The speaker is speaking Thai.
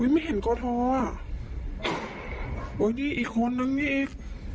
ไม่เห็นกอทออ่ะโอ้ยนี่อีกคนนึงนี่อีก